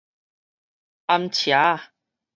泔捙仔